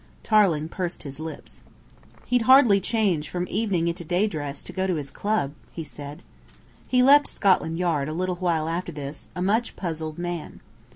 Tarling pursed his lips. "He'd hardly change from evening into day dress to go to his club," he said. He left Scotland Yard a little while after this, a much puzzled man.